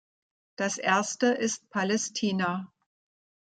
Das erste ist Palästina.